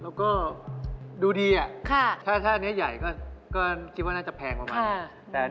แล้วก็ดูดีถ้าเนื้อใหญ่ก็คิดว่าน่าจะแพงประมาณนี้